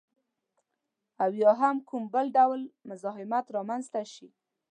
او یا هم کوم بل ډول مزاحمت رامنځته شي